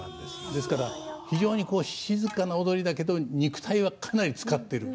ですから非常に静かな踊りだけれども肉体はかなり使っている。